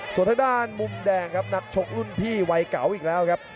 ส่วนทางด้านมุมแดงครับนักชกรุ่นพี่วัยเก่าอีกแล้วครับ